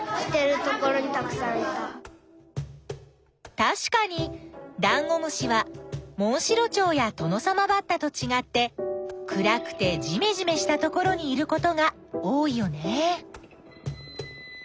たしかにダンゴムシはモンシロチョウやトノサマバッタとちがって暗くてじめじめしたところにいることが多いよね。